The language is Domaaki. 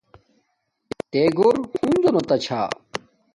تے گھور ہنزو نا تا چھا